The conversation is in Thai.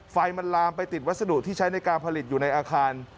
ไฟมันลามไปติดวัสดุที่ใช้ในการผลิตอยู่ในอาคาร